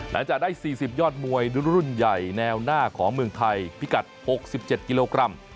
และจะได้สี่สิบยอดมวยรุ่นใหญ่แนวหน้าของเมืองไทยพิกัดหกสิบเจ็ดกิโลกรัม